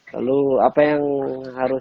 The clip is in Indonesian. lalu apa yang harus